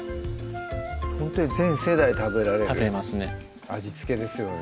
ほんとに全世代食べられる食べれますね味付けですよね